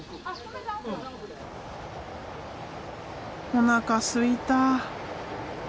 おなかすいた。